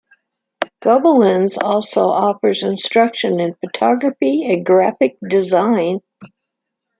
Gobelins also offers instruction in photography and graphic design.